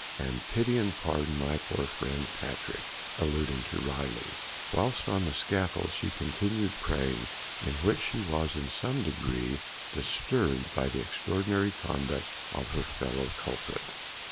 and pity and pardon my poor friend Patrick" (alluding to Riley). Whilst on the scaffold, she continued praying, in which she was in some degree disturbed by the extraordinary conduct of her fellow culprit.